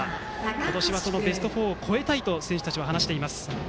今年は、そのベスト４を超えたいと選手たちは話しています。